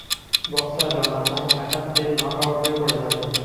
বক্সাররা মাথায় আঘাত পেয়ে নক আউট হয়ে পড়ে থাকে।